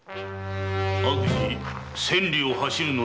「悪事千里を走る」の例え。